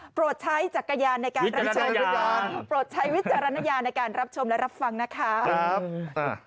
โปรดใช้จักรยานในการรับชมและรับฟังนะคะโปรดใช้วิจารณญาณวิจารณญาณ